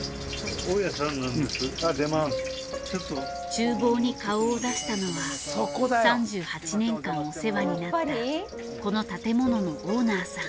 厨房に顔を出したのは３８年間お世話になったこの建物のオーナーさん。